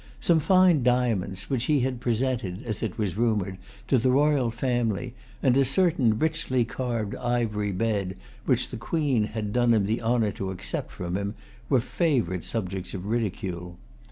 Some fine diamonds which he had presented, as it was rumored, to the royal family, and a certain richly carved ivory bed which the Queen had done him the[Pg 209] honor to accept from him, were favorite subjects of ridicule.